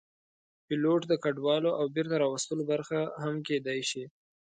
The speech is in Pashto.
پیلوټ د کډوالو د بېرته راوستلو برخه هم کېدی شي.